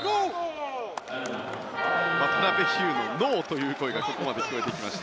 渡邉飛勇のノー！という声がここまで聞こえてきました。